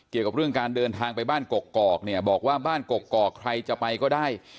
เกี่ยวกับเรื่องการเดินทางไปบ้านกกอกเนี่ยบอกว่าบ้านกกอกใครจะไปก็ได้